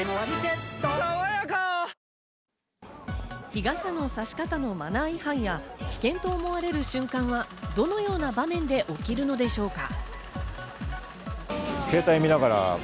日傘のさし方のマナー違反や、危険と思われる瞬間はどのような場面で起きるのでしょうか？